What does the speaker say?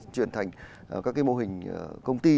chuyển thành các cái mô hình công ty